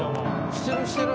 してるしてる。